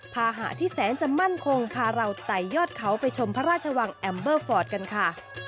ภาหะที่แสนจะมั่นคงพาเราไต่ยอดเขาไปชมพระราชวังแอมเบอร์ฟอร์ดกันค่ะ